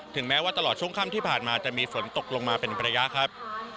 แม้ว่าตลอดช่วงค่ำที่ผ่านมาจะมีฝนตกลงมาเป็นระยะครับ